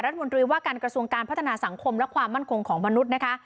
รัฐมนตรีว่าการกระทรวงการพัฒนาสังคมและความมั่นคงของมนุษย์นะคะ